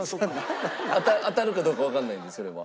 当たるかどうかわからないんでそれは。